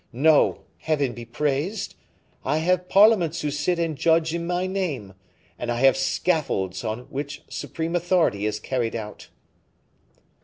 No, Heaven be praised! I have parliaments who sit and judge in my name, and I have scaffolds on which supreme authority is carried out."